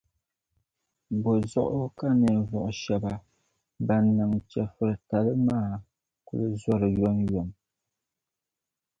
Bo zuɣu ka ninvuɣ' shεba ban niŋ chεfuritali maa kuli zɔri yomyom?